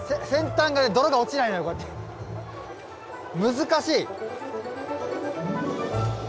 難しい！